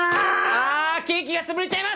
あケーキがつぶれちゃいます！